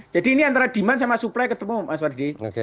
jadi ini antara demand sama supply ketemu mas wadid